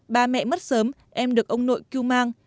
bà mẹ mất sớm em được ông nội cứu mang